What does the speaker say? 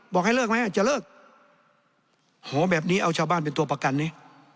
บอกให้เลิกไหมจะเลิกโหแบบนี้เอาชาวบ้านเป็นตัวประกันดิ